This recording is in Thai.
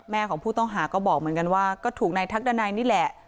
ของผู้ต้องหาก็บอกเหมือนกันว่าก็ถูกนายทักดันัยนี่แหละ